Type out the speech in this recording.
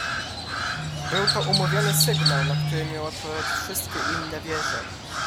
"Był to umówiony sygnał, na który miały odpowiadać wszystkie inne wieże."